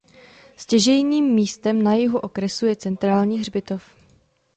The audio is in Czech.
Stěžejním místem na jihu okresu je centrální hřbitov.